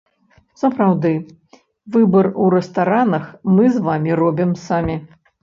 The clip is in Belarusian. Сапраўды, выбар у рэстаранах мы з вамі робім самі.